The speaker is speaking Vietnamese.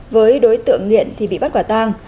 với đối tượng nghiện thì bị bắt quả tang